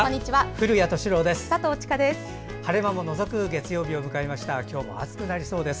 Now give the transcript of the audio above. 古谷敏郎です。